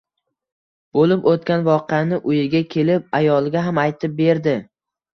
Bo`lib o`tgan voqeani uyiga kelib, ayoliga ham aytib berdi